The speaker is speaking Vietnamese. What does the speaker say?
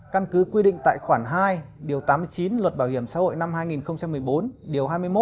căn cứ quy định tại khoản hai điều tám mươi chín luật bảo hiểm xã hội năm hai nghìn một mươi bốn điều hai mươi một